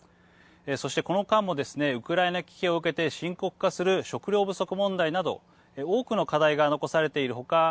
そして、この間もですねウクライナ危機を受けて深刻化する食料不足問題など多くの課題が残されている他